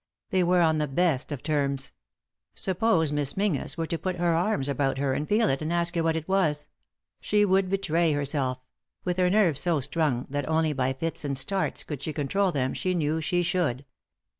They were on the best of terms. Suppose Miss Menzies were to put her arms about her, and feel it, and ask her what it was ? She would betray herself; with her nerves so strung that only by fits and starts could she control them, she knew she should.